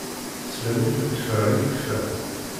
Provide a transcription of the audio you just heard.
Teslam akk i lekfeṛ i yekfeṛ.